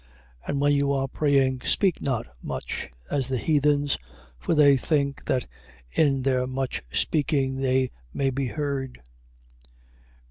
6:7. And when you are praying, speak not much, as the heathens. For they think that in their much speaking they may be heard.